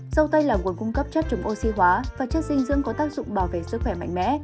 dâu tây là nguồn cung cấp chất chủng oxy hóa và chất dinh dưỡng có tác dụng bảo vệ sức khỏe mạnh mẽ